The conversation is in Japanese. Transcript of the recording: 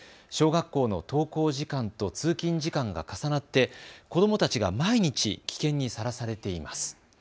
小学校の登校時間と通勤時間が重なって子どもたちが毎日、危険にさらされています。